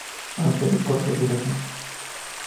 Aunque de corta duración.